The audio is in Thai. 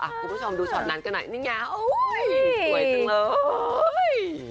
คุณผู้ชมดูช็อตนั้นกันหน่อยนี่ไงโอ้ยสวยจังเลย